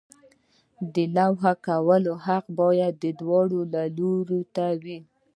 د لغوه کولو حق باید دواړو لورو ته وي.